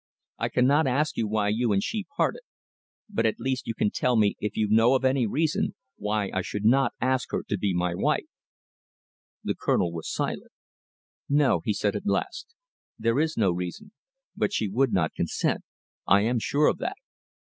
I cannot ask you why you and she parted, but at least you can tell me if you know of any reason why I should not ask her to be my wife." The Colonel was silent. "No!" he said at last, "there is no reason. But she would not consent. I am sure of that."